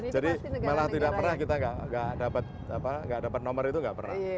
jadi malah tidak pernah kita nggak dapat nomor itu nggak pernah